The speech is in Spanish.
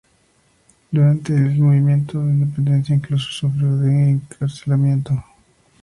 Durante el movimiento de independencia incluso sufrió de encarcelamiento.